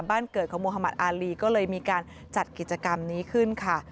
บ้านเกิดของโมฮามัติอารีก็เลยมีการจัดกิจกรรมนี้ขึ้นค่ะ